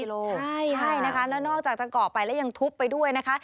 และนอกจากจะเกาะไปยังทุบไปด้วยนะคะ